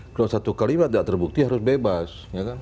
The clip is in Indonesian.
kalau satu kalimat tidak terbukti harus bebas